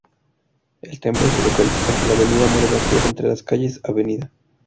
El templo se localiza sobre la Avenida Morelos Sur, entre las calles Av.